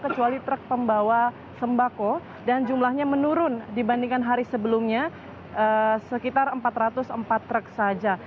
kecuali truk pembawa sembako dan jumlahnya menurun dibandingkan hari sebelumnya sekitar empat ratus empat truk saja